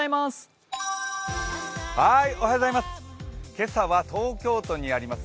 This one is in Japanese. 今朝は東京都にあります